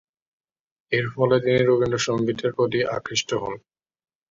এরফলে তিনি রবীন্দ্রসঙ্গীতের প্রতি আকৃষ্ট হন।